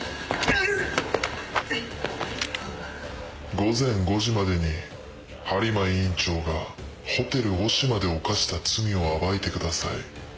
午前５時までに播磨院長がホテルオシマで犯した罪を暴いてください。